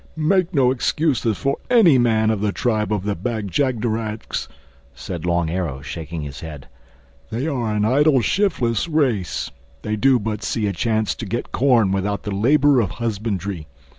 "Make no excuses for any man of the tribe of the Bag jagderags," said Long Arrow shaking his head. "They are an idle shiftless race. They do but see a chance to get corn without the labor of husbandry.